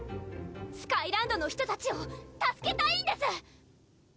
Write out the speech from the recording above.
スカイランドの人たちを助けたいんです！